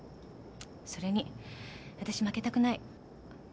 それにあたし負けたくない。